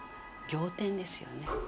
仰天ですよね。